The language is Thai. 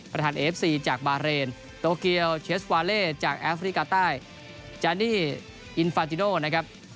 เอฟซีจากบาเรนโตเกียวเชสวาเล่จากแอฟริกาใต้จานี่อินฟาติโนนะครับ